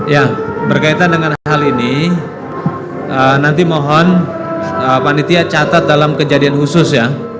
ya berkaitan dengan hal hal ini nanti mohon panitia catat dalam kejadian khusus ya